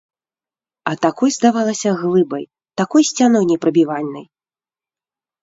А такой здавалася глыбай, такой сцяной непрабівальнай.